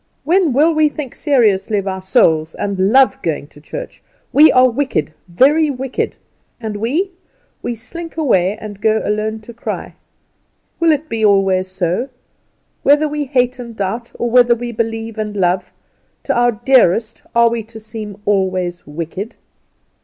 When will we think seriously of our souls, and love going to church? We are wicked, very wicked. And we we slink away and go alone to cry. Will it be always so? Whether we hate and doubt, or whether we believe and love, to our dearest, are we to seem always wicked?